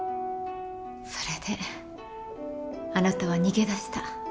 それであなたは逃げ出した。